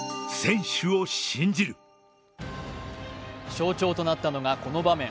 象徴となったのがこの場面。